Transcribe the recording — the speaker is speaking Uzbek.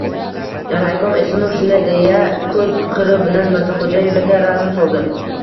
Raykom Esonov shunday deya, ko‘z qiri bilan Mirzaxo‘jaevaga razm soldi: